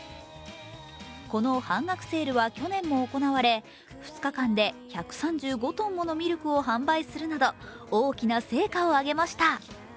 この半額セールは去年も行われ２日間で１３５ｔものミルクを販売するなど、大きな成果を上げました。